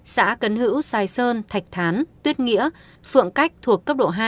xã cấn hữu sài sơn thạch thán tuyết nghĩa phượng cách thuộc cấp độ hai